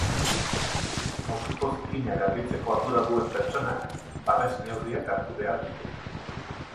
Musuko zikinak garbitzeko ardura duen pertsonak babes neurriak hartu behar ditu.